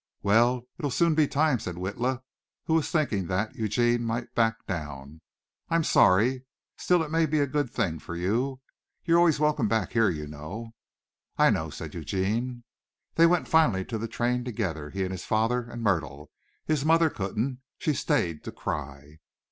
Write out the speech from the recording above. "Well, it'll soon be time," said Witla, who was thinking that Eugene might back down. "I'm sorry. Still it may be a good thing for you. You're always welcome here, you know." "I know," said Eugene. They went finally to the train together, he and his father and Myrtle. His mother couldn't. She stayed to cry.